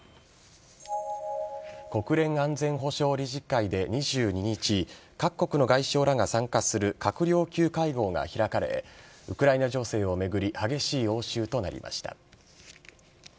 国連安全保障理事会で２２日各国の外相らが参加する閣僚級会合が開かれウクライナ情勢を巡り激しい応酬となりました。